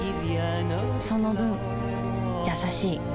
その分優しい